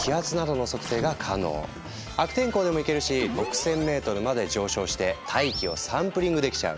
悪天候でもいけるし６，０００ｍまで上昇して大気をサンプリングできちゃう！